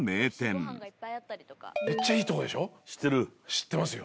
知ってますよ。